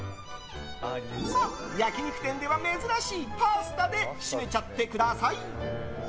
焼き肉店では珍しいパスタで締めちゃってください。